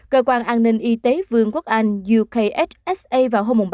cơ quan an ninh y tế vương quốc anh ukhsa vào hôm bảy